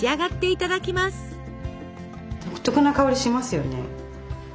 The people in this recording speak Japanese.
独特な香りしますよね。